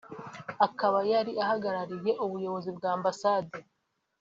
akaba yari ahagarariye ubuyobozi bwa Ambasade